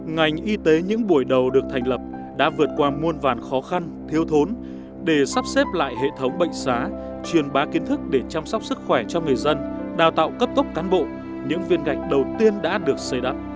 ngành y tế những buổi đầu được thành lập đã vượt qua muôn vàn khó khăn thiếu thốn để sắp xếp lại hệ thống bệnh xá truyền bá kiến thức để chăm sóc sức khỏe cho người dân đào tạo cấp tốc cán bộ những viên gạch đầu tiên đã được xây đắp